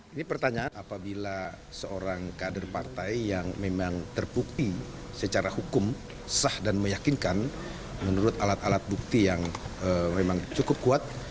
ini pertanyaan apabila seorang kader partai yang memang terbukti secara hukum sah dan meyakinkan menurut alat alat bukti yang memang cukup kuat